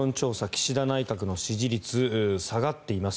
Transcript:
岸田内閣の支持率下がっています。